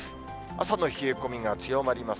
朝の冷え込みが強まります。